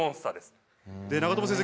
長友先生